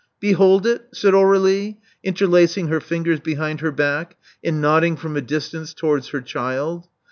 Behold it?" said Aur^lie, interlacing her fingers behind her back, and nodding from a distance towards her child.